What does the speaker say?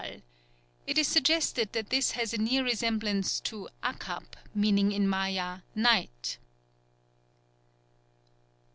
_ It is suggested that this has a near resemblance to akab, meaning in Maya, "night."